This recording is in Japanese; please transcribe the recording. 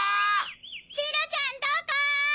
チロちゃんどこ？